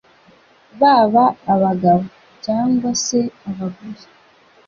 baba abagabo cyangwa se abagore.